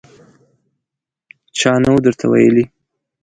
_چا نه و درته ويلي!